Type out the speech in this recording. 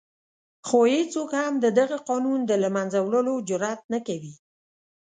خو هېڅوک هم د دغه قانون د له منځه وړلو جرآت نه کوي.